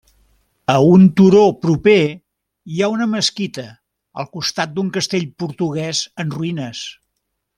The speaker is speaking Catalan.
A un turó proper hi ha una mesquita al costat d'un castell portuguès en ruïnes.